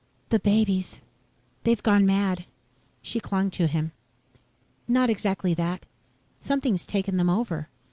"The babies they've gone mad." She clung to him. "Not exactly that. Something's taken them over.